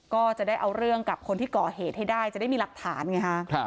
ก็จะได้เอาเรื่องกับคนที่ก่อเหตุให้ได้จะได้มีหลักฐานไงฮะ